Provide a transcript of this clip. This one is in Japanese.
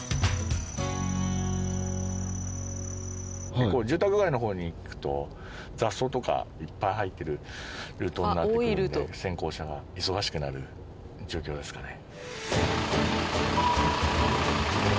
結構住宅街の方に行くと雑草とかいっぱい生えてるルートになってくるんで先行車が忙しくなる状況ですかね。